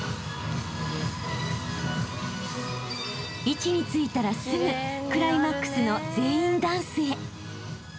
［位置についたらすぐクライマックスの全員ダンスへ］